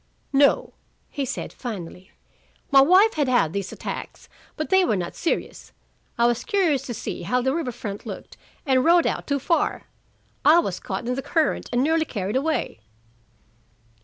"No," he said finally. "My wife had had these attacks, but they were not serious. I was curious to see how the river front looked and rowed out too far. I was caught in the current and nearly carried away."